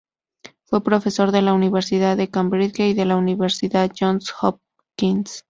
Fue profesor de la Universidad de Cambridge y de la Universidad Johns Hopkins.